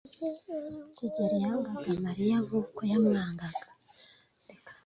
kigeli yangaga Mariya nkuko yamwangaga.